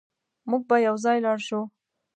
موږ به يوځای لاړ شو